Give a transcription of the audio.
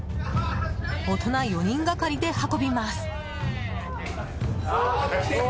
大人４人がかりで運びます。